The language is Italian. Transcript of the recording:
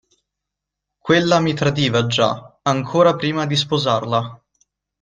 Quella mi tradiva già, ancora prima di sposarla.